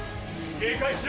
警戒しろ。